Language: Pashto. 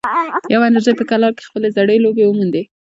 یوه نجلۍ په کلا کې خپلې زړې لوبې وموندې.